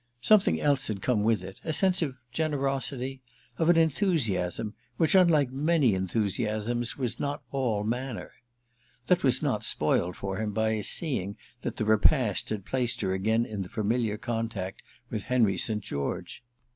Something else had come with it—a sense of generosity, of an enthusiasm which, unlike many enthusiasms, was not all manner. That was not spoiled for him by his seeing that the repast had placed her again in familiar contact with Henry St. George.